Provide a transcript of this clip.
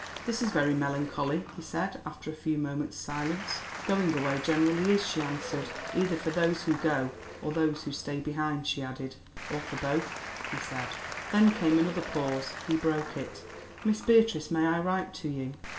"This is very melancholy," he said, after a few moments' silence. "Going away generally is," she answered—"either for those who go or those who stay behind," she added. "Or for both," he said. Then came another pause; he broke it. "Miss Beatrice, may I write to you?"